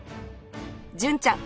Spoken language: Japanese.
純ちゃん